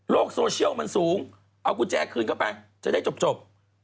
โซเชียลมันสูงเอากุญแจคืนเข้าไปจะได้จบ